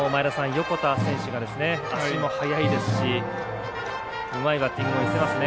横田選手が足も速いですしうまいバッティングを見せますね。